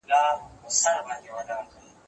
زه پرون اوبه پاکې کړې!.